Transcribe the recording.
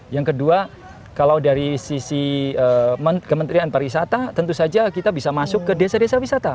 yang kedua kalau dari sisi kementerian pariwisata tentu saja kita bisa masuk ke desa desa wisata